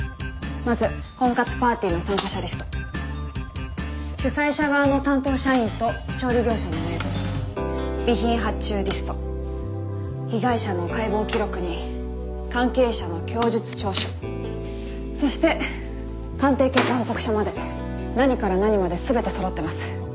まず婚活パーティーの参加者リスト主催者側の担当社員と調理業者の名簿備品発注リスト被害者の解剖記録に関係者の供述調書そして鑑定結果報告書まで何から何まで全てそろってます。